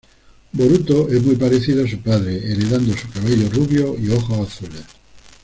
Boruto es muy parecido a su padre, heredando su cabello rubio y ojos azules.